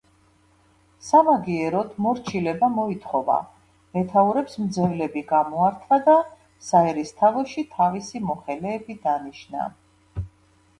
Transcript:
სამაგიეროდ მორჩილება მოითხოვა, მეთაურებს მძევლები გამოართვა და საერისთავოში თავისი მოხელეები დანიშნა.